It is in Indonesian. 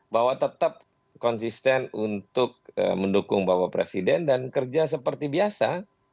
bahwa tetap konsisten untuk mendukung bapak presiden dan kerja seperti biasa